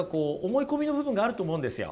思い込みの部分があると思うんですよ。